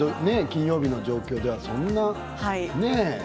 金曜日の状況ではそんなね。